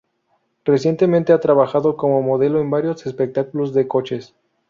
Recientemente ha trabajado como modelo en varios espectáculos de coches.